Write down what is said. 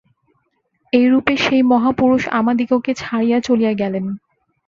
এইরূপে সেই মহাপুরুষ আমাদিগকে ছাড়িয়া চলিয়া গেলেন।